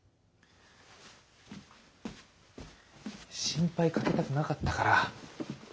心配かけたくなかったから。